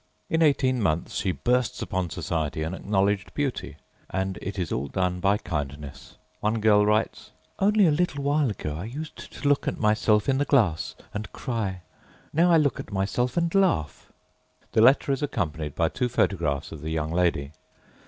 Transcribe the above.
â In eighteen months she bursts upon Society an acknowledged beauty. And it is all done by kindness. One girl writes: âOnly a little while ago I used to look at myself in the glass and cry. Now I look at myself and laugh.â The letter is accompanied by two photographs of the young lady.